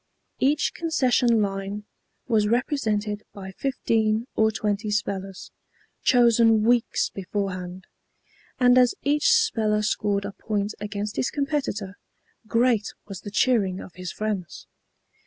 Each concession line was represented by fifteen or twenty spellers, chosen weeks beforehand; and as each speller scored a point against his competitor, great was the cheering of his friends.